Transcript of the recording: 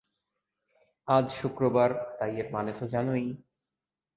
আজ শুক্রবার, তাই এর মানে তো জানোই।